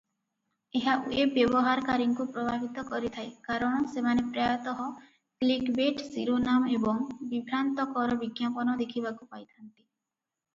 ଏହା ୱେବ ବ୍ୟବହାରକାରୀଙ୍କୁ ପ୍ରଭାବିତ କରିଥାଏ କାରଣ ସେମାନେ ପ୍ରାୟତଃ କ୍ଲିକବେଟ ଶିରୋନାମ ଏବଂ ବିଭ୍ରାନ୍ତିକର ବିଜ୍ଞାପନ ଦେଖିବାକୁ ପାଇଥାନ୍ତି ।